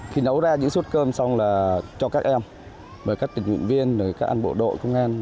khi nấu ra những suất cơm xong là cho các em bởi các tình nguyện viên các an bộ đội công an